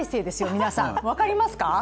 皆さん、分かりますか？